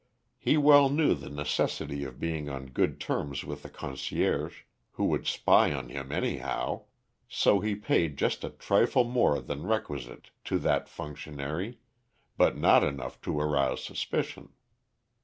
He well knew the necessity of being on good terms with the concierge, who would spy on him anyhow, so he paid just a trifle more than requisite to that functionary, but not enough to arouse suspicion.